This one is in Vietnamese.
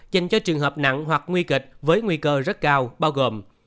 dành cho trường hợp nặng hoặc nguy kịch với nguy cơ rất cao bao gồm